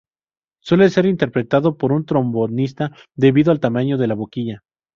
Suele ser interpretado por un trombonista, debido al tamaño de la boquilla.